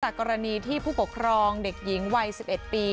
กรณีที่ผู้ปกครองเด็กหญิงวัย๑๑ปี